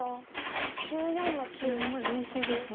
実戦は冷静ですね。